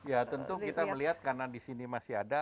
ya tentu kita melihat karena disini masih ada